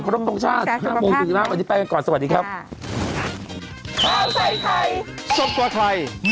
ครอบครัวตรงชาติ๕โมงสุดีมากวันนี้ไปกันก่อนสวัสดีครับจ๊ะ